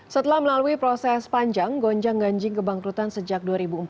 setelah melalui proses panjang gonjang ganjing kebangkrutan sejak dua ribu empat belas